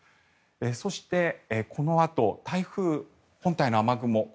そしてこのあと台風本体の雨雲